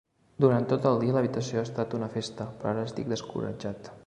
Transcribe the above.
Durant tot el dia l'habitació ha estat una festa, però ara estic descoratjat.